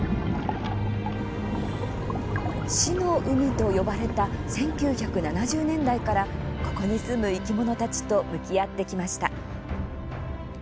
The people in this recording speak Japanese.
死の海と呼ばれた１９７０年代からここに住む生き物たちと向き合ってきました。